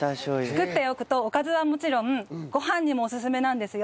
作っておくとおかずはもちろんご飯にもオススメなんですよ。